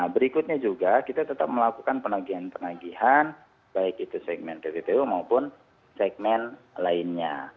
berikutnya juga kita tetap melakukan penagihan penagihan baik itu segmen tppu maupun segmen lainnya